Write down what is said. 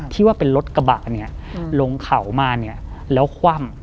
ที่ว่าเป็นรถกระบะเนี่ยลงเขามาเนี่ยแล้วคว่ำ